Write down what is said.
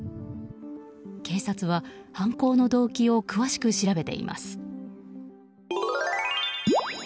警察は犯行の動機を詳しく調べています。